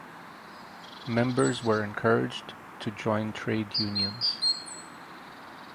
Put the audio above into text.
Members were encouraged to join trade unions.